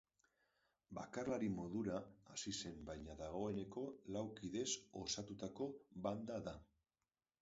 Bakarlari modura hasi zen baina dagoeneko lau kidez osatutako banda da.